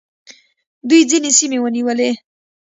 دوی ځینې سیمې ونیولې